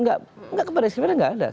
nggak kepada spirit nggak ada